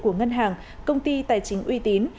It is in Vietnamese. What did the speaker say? của ngân hàng công ty tài chính uy tín